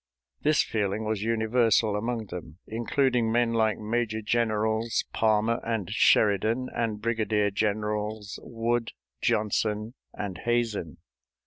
This feeling was universal among them, including men like Major Generals Palmer and Sheridan and Brigadier Generals Wood, Johnson, and Hazen.